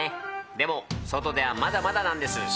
でも、外ではまだまだなんです。